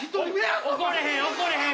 怒れへん怒れへん。